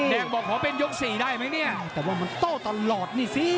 แดงบอกขอเป็นยก๔ได้ไหมเนี่ยแต่ว่ามันโต้ตลอดนี่สิ